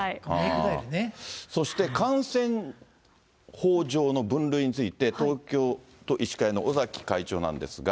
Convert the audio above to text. そして、感染法上の分類について、東京都医師会の尾崎会長なんですが。